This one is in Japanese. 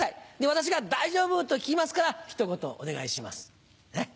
私が「大丈夫？」と聞きますからひと言お願いします。